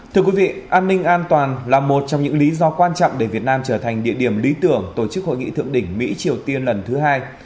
thưa quý vị an ninh an toàn là một trong những lý do quan trọng để việt nam trở thành địa điểm lý tưởng tổ chức hội nghị thượng đỉnh mỹ triều tiên lần thứ hai